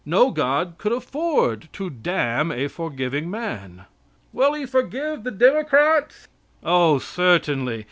No God could afford to damn a forgiving man. (A voice: "Will He forgive Democrats?") Oh, certainly.